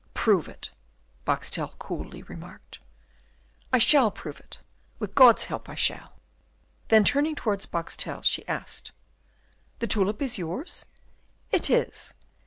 "Prove it," Boxtel coolly remarked. "I shall prove it. With God's help I shall." Then, turning towards Boxtel, she asked, "The tulip is yours?" "It is."